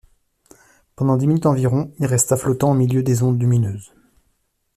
Pendant dix minutes environ, il resta flottant au milieu des ondes lumineuses.